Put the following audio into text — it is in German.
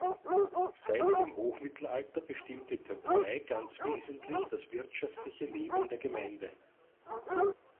Seit dem Hochmittelalter bestimmt die Töpferei ganz wesentlich das wirtschaftliche Leben der Gemeinde.